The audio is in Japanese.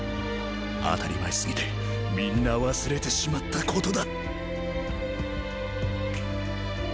当たり前すぎてみんな忘れてしまったことだ。